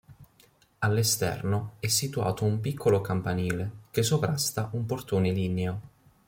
All'esterno è situato un piccolo campanile, che sovrasta un portone ligneo.